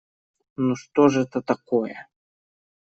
Ну, что ж это такое!